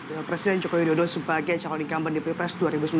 mencalonkan presiden joko widodo sebagai calon ikan pendidik pres dua ribu sembilan belas